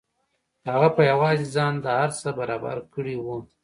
هغه په یوازې ځان دا هر څه برابر کړي وو